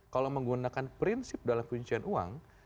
kalau menggunakan prinsip dalam kuncian uang